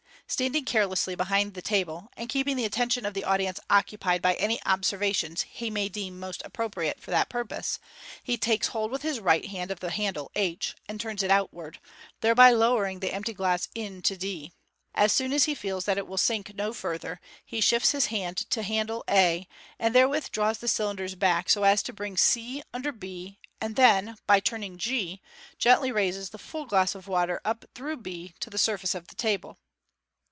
Standing carelessly behind the table, and keeping the attention of the audience occupied by any observations he may deem most appro priate for that purpose, he takes hold with his right hand of the handle h, and turns it outward, thereby lowering the empty glass into tL As soon as he feels that it will sink no further, he shifts his hand to the handle a, and therewith draws the cylinders back so as to bring c under by and then, by turning g, gently raises the full glass of water up through b to the surface of the table.